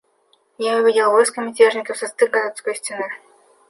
Я увидел войско мятежников с высоты городской стены.